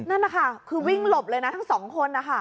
นั่นนะคะคือวิ่งหลบเลยนะทั้งสองคนนะคะ